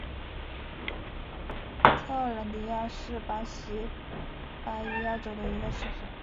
特奥兰迪亚是巴西巴伊亚州的一个市镇。